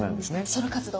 ソロ活動？